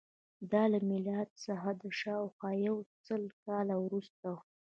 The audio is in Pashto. دا له میلاد څخه شاوخوا یو سل کاله وروسته وه